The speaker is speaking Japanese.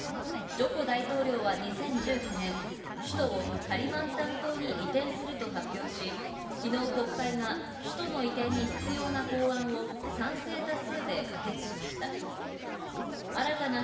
ジョコ大統領は２０１９年、首都をカリマンタン島に移転すると発表し、きのう、国会が首都の移転に必要な法案を賛成多数で可決しました。